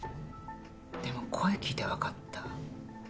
でも声聞いてわかった。